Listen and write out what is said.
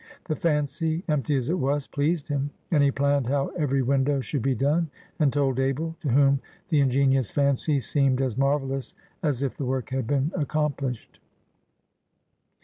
The fancy, empty as it was, pleased him, and he planned how every window should be done, and told Abel, to whom the ingenious fancy seemed as marvellous as if the work had been accomplished.